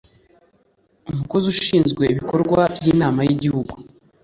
umukozi ushinzwe ibikorwa by inama y igihugu